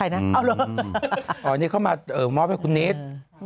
อ๋อนี่เขามามอบให้คุณเนธ